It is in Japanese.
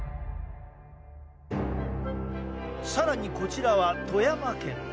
さらに、こちらは富山県。